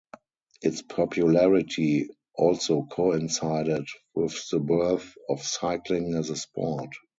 Its popularity also coincided with the birth of cycling as a sport.